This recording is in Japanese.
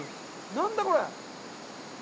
何だ、これ。